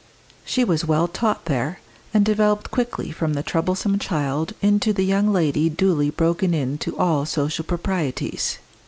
She was well taught there, and developed quickly from the troublesome child into the young lady duly broken in to all social proprieties.